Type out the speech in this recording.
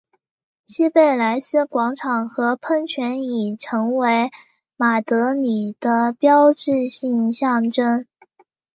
西贝莱斯广场和喷泉已成为马德里的标志性象征。